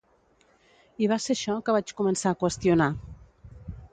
I va ser això que vaig començar a qüestionar.